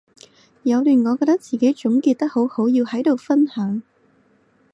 有段我覺得自己總結得好好要喺度分享